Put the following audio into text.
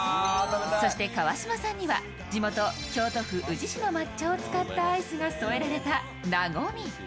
そして、川島さんには地元・京都府宇治市の抹茶を使ったアイスが添えられた和。